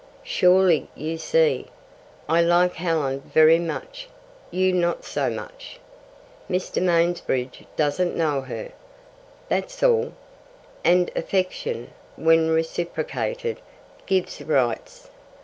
"Surely you see. I like Helen very much, you not so much. Mr. Mansbridge doesn't know her. That's all. And affection, when reciprocated, gives rights.